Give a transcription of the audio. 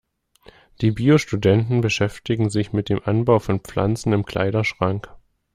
Die Bio-Studenten beschäftigen sich mit dem Anbau von Pflanzen im Kleiderschrank.